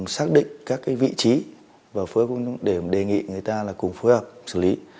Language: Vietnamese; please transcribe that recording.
xác định các vị trí và phối hợp để đề nghị người ta cùng phối hợp xử lý